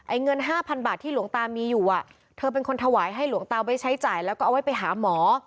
เงินห้าพันบาทที่หลวงตามีอยู่อ่ะเธอเป็นคนถวายให้หลวงตาไว้ใช้จ่ายแล้วก็เอาไว้ไปหาหมอ